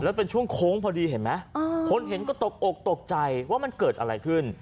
แล้วเป็นช่วงโค้งพอดีเห็นไหมคนเห็นก็ตกอกตกใจว่ามันเกิดอะไรขึ้น